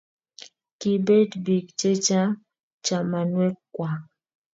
kiibet biik che chang' chamanwek kwak